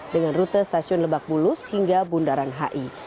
dengan rute stasiun lebak bulus hingga bundaran hi